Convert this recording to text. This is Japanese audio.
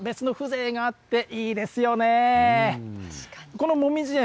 このもみじ苑